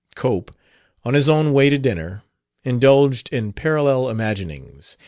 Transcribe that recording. Cope, on his own way to dinner, indulged in parallel imaginings.